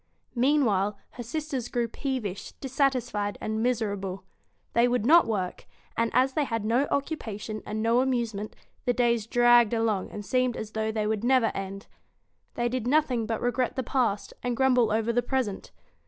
Meanwhile, her sisters grew peevish, dissatisfied, and miserable. They would not work ; and, as they had no occupation and no amusement, the days dragged along and seemed as though they would never end. They did nothing but regret the past, and grumble over the present.